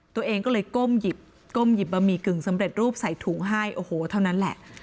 ตัวเองก็เลยก้มหยิบก้มหยิบบะหมี่กึ่งสำเร็จรูปใส่ถุงให้โอ้โหเท่านั้นแหละ